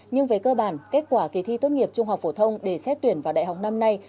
nhưng về cơ bản kết quả kỳ thi tốt nghiệp trung học phổ thông để xét tuyển vào đại học năm nay